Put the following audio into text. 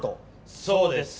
そうです。